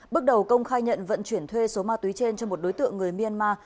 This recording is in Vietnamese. bước đầu công khai nhận vận chuyển thuê số ma túy trên cho một đối tượng người myanmar